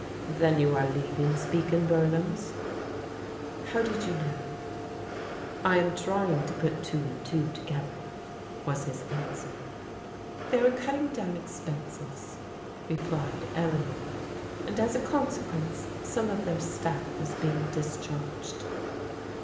" Then you are leaving Speke and Bumham's ?"*' How did you know? "I am trying to put two and two together," was his answer. They are cutting down expenses," replied Eleanor, " and as a consequence some of their staflf is being dis charged."